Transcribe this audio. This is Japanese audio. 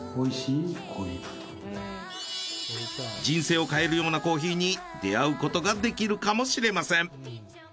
人生を変えるようなコーヒーに出会うことができるかもしれません。